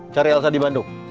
cari elsa di bandung